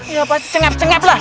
iya pasti cengep cengep lah